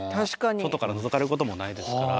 外からのぞかれることもないですから。